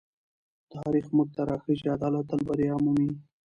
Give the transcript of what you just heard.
تاریخ موږ ته راښيي چې عدالت تل بریا مومي.